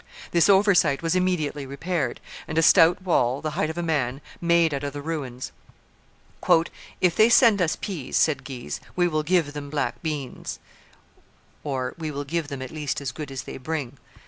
This oversight was immediately repaired, and a stout wall, the height of a man, made out of the ruins. "If they send us peas," said Guise, "we will give them back beans" ("we will give them at least as good as they bring